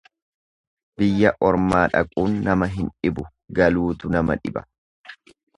Biyya ormaa dhaquun nama hin dhibu galuutu nama dhiba.